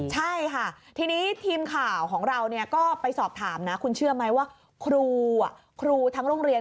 ใช่ค่ะทีนี้ทีมข่าวของเราก็ไปสอบถามนะคุณเชื่อไหมว่าครูครูทั้งโรงเรียน